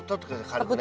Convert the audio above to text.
軽くね。